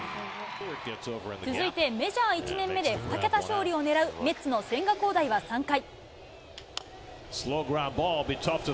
続いてメジャー１年目で２桁勝利を狙うメッツの千賀滉大は３回。